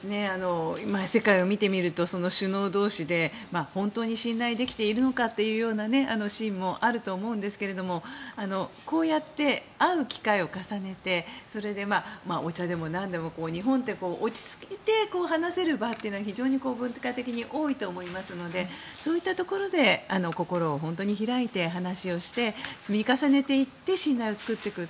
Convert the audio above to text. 世界を見てみると首脳同士で本当に信頼できているのかというシーンもあると思うんですがこうやって会う機会を重ねてそれで、お茶でもなんでも日本って落ち着いて話せる場というのが非常に文化的に多いと思いますのでそういったところで心を、本当に開いて話をして積み重ねていって信頼を作っていく。